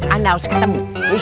anda harus ketemu